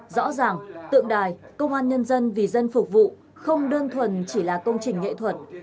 rõ ràng tượng đài công an nhân dân vì dân phục vụ không đơn thuần chỉ là công trình nghệ thuật